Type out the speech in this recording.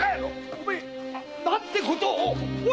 おめえ何てことを！